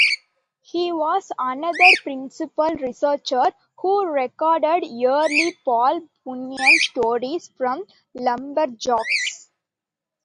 He was another principal researcher who recorded early Paul Bunyan stories from lumberjacks.